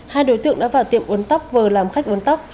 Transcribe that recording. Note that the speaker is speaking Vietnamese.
hai đối tượng đã vào tiệm uống tóc vừa làm khách uống tóc